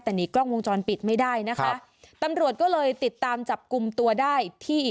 แต่หนีกล้องวงจรปิดไม่ได้นะคะตำรวจก็เลยติดตามจับกลุ่มตัวได้ที่